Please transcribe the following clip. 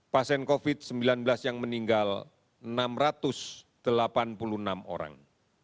pasien covid sembilan belas yang meninggal enam ratus delapan puluh enam orang